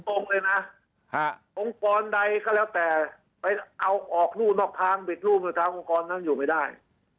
เลยนะองค์กรใดก็แล้วแต่ไปเอาออกรู่นอกทางบิดรูปในทางองค์กรนั้นอยู่ไม่ได้